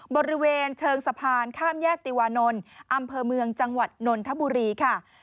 บริเวณเชิงสะพานข้ามแยกติวานนท์อำเภอเมืองจังหวัดนนทบุรีค่ะ